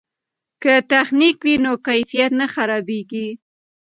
که تخنیک وي نو کیفیت نه خرابیږي.